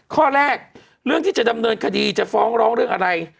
ข้อแรกเรื่องที่จะดำเนินคดีจะฟ้องร้องเรื่องอะไร